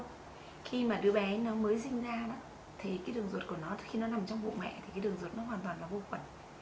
khi mà đứa bé nó mới sinh ra đó thì cái đường ruột của nó khi nó nằm trong vùng mẹ thì cái đường ruột nó hoàn toàn là vô khuẩn